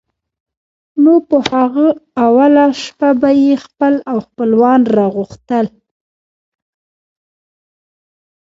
نو په هغه اوله شپه به یې خپل او خپلوان را غوښتل.